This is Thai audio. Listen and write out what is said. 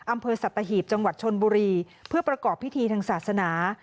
อำเภอสัตหีบจังหวัดชนบุรีเพื่อประกอบพิธีทางศาสนา